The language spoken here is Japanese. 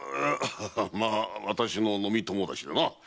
まあ私の飲み友達でな。